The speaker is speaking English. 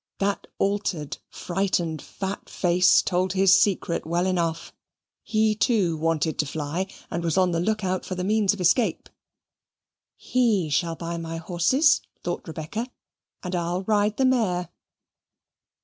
That altered, frightened, fat face, told his secret well enough. He too wanted to fly, and was on the look out for the means of escape. "HE shall buy my horses," thought Rebecca, "and I'll ride the mare."